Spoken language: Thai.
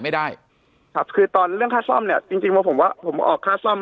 ไม่ได้ครับคือตอนเรื่องค่าซ่อมเนี้ยจริงจริงว่าผมว่าผมออกค่าซ่อม